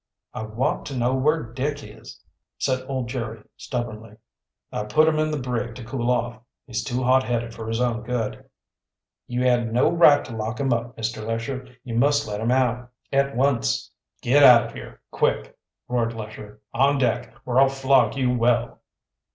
"I want to know where Dick is?" said old Jerry stubbornly. "I put him in the brig to cool off. He's too hot headed for his own good." "You had no right to lock him up, Mr. Lesher. You must let him out at once." "Git out of here, quick!" roared Lesher. "On deck, or I'll flog you well!"